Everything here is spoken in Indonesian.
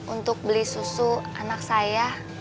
untuk beli susu anak saya